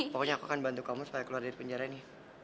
pokoknya aku akan bantu kamu supaya keluar dari penjara nih